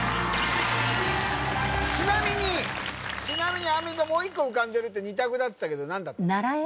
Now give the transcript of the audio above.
ちなみにちなみにアンミカもう一個浮かんでるって２択だって言ってたけど何だった？